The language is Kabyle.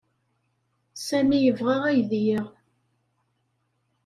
Sami yebɣa aydi-a.